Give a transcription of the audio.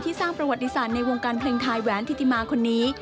สร้างประวัติศาสตร์ในวงการเพลงไทยแหวนธิติมาคนนี้